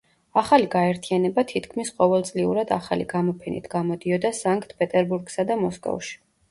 ახალი გაერთიანება თითქმის ყოველწლიურად ახალი გამოფენით გამოდიოდა სანქტ-პეტერბურგსა და მოსკოვში.